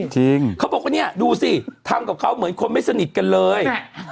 ใช่กันเนี่ยดูทำกับผมเหมือนคนไม่เคยสนิทกันเลย